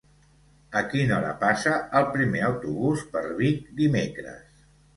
A quina hora passa el primer autobús per Vic dimecres?